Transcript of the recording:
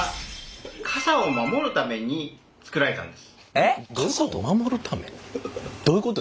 えっ？どういうこと？